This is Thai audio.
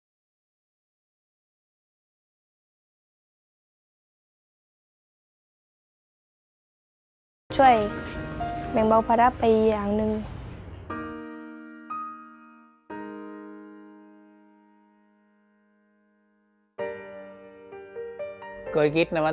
และกับผู้จัดการที่เขาเป็นดูเรียนหนังสือ